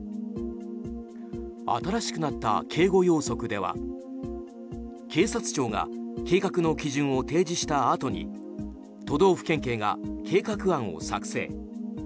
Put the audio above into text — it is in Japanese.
新しくなった警護要則では警察庁が計画の基準を提示したあとに都道府県警が計画案を作成。